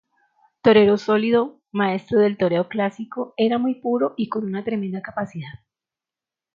Torero sólido, maestro del toreo clásico, era muy puro y con una tremenda capacidad.